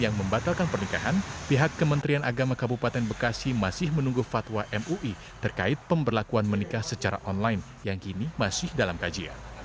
yang membatalkan pernikahan pihak kementerian agama kabupaten bekasi masih menunggu fatwa mui terkait pemberlakuan menikah secara online yang kini masih dalam kajian